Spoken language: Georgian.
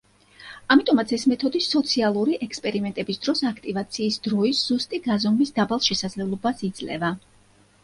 ამიტომაც ეს მეთოდი სოციალური ექსპერიმენტების დროს აქტივაციის დროის ზუსტი გაზომვის დაბალ შესაძლებლობას იძლევა.